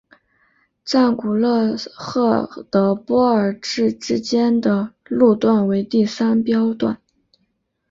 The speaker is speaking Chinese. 赞古勒赫的波尔至之间的路段为第三标段。